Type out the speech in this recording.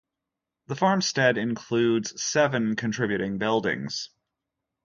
The farmstead includes seven contributing buildings.